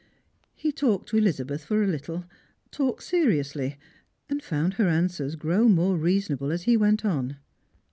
He talked to Elizabeth for a Httle, talked seriously, and found her answers grow more reasonable as he went on.